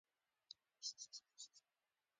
ساعتونه تېر شول او د چاودنو غږونه نه وو